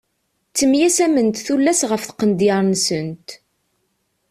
Ttemyasament tullas ɣef tqendyar-nsent.